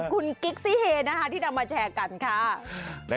คุณกิ๊กซี่เฮนะคะที่นำมาแชร์กันค่ะ